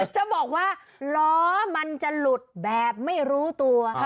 จะบอกว่าล้อมันจะหลุดแบบไม่รู้ตัว